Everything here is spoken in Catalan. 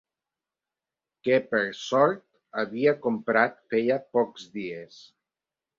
Que per sort havia comprat feia pocs dies